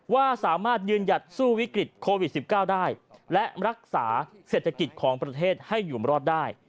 ว่าสามารถยืนหยัดสู้วิกฤตโควิด๑๙ได้และรักษาเศรษฐกิจของประเทศให้อยู่รอดได้